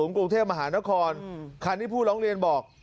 กรุงเทพมหานครคันที่ผู้ร้องเรียนบอก